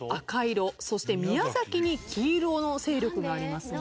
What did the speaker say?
そして宮崎に黄色の勢力がありますが。